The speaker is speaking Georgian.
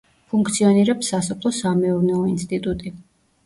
ფუნქციონირებს სასოფლო-სამეურნეო ინსტიტუტი.